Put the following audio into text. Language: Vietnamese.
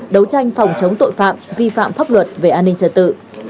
đấu tranh phòng chống tội phạm vi phạm pháp luật về an ninh trật tự